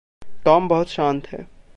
Tom बहुत शांत है।